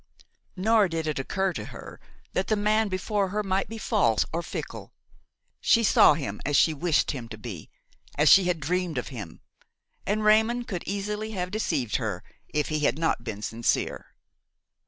Nor did it occur to her that the man before her might be false or fickle. She saw him as she wished him to be, as she had dreamed of him, and Raymon could easily have deceived her if he had not been sincere.